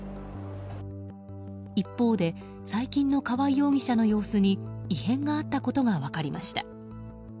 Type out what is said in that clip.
一方で最近の川合容疑者の様子に異変があったことが分かりました。